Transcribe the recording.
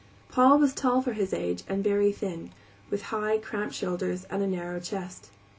Paul was tall for his age and very thin, with high, cramped shoulders and a narrow chest.